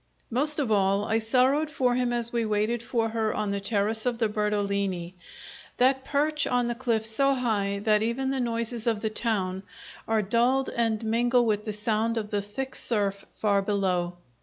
Most of all, I sorrowed for him as we waited for her on the terrace of the Bertolini, that perch on the cliff so high that even the noises of the town are dulled and mingle with the sound of the thick surf far below.